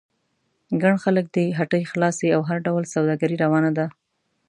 ګڼ خلک دي، هټۍ خلاصې او هر ډول سوداګري روانه ده.